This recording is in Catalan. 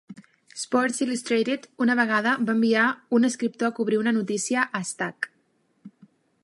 "Sports Illustrated" una vegada va enviar un escriptor a cobrir una notícia a Stack.